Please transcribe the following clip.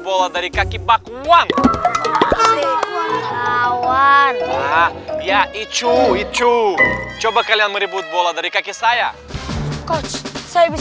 bola dari kaki bakwan ya icu icu coba kalian meribut bola dari kaki saya coach saya bisa